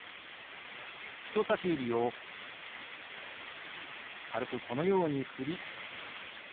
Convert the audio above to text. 人さし指を軽くこのように振りＷｈ